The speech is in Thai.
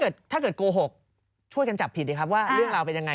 ถ้าเกิดโกหกช่วยกันจับผิดสิครับว่าเรื่องราวเป็นยังไง